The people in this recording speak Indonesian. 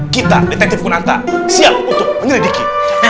kita detektif kunata siap untuk menyelidiki